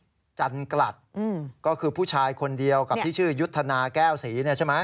คุณจันกลัดก็คือผู้ชายคนเดียวกับที่ชื่อยุทธนาแก้วศรีเนี่ยใช่ไหม